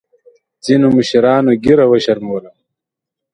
ځینو مشرانو ګیره وشرمولـه.